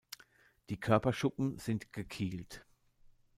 Die Körperschuppen sind gekielt.